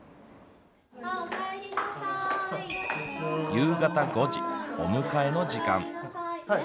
夕方５時、お迎えの時間。